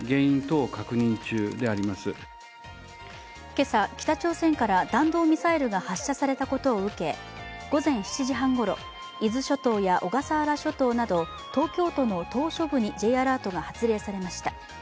今朝、北朝鮮から弾道ミサイルが発射されたことを受け午前７時半ごろ、伊豆諸島や小笠原諸島など東京都の島しょ部にＪアラートが発令されました。